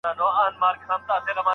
دوی به د ده لپاره د اور پرده وي.